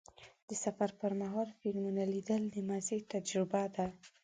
د سفر پر مهال فلمونه لیدل د مزې تجربه ده.